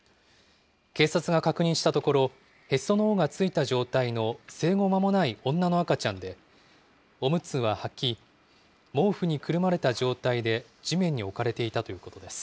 警察が確認したところ、へその緒がついた状態の生後まもない女の赤ちゃんで、おむつははき、毛布にくるまれた状態で地面に置かれていたということです。